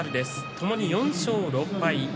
ともに４勝６敗